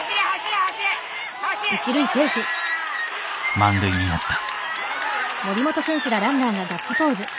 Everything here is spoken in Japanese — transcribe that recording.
満塁になった。